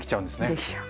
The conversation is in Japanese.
できちゃう。